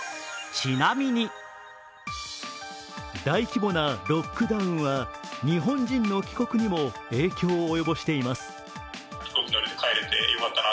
大規模なロックダウンは日本人の帰国にも影響を及ぼしています。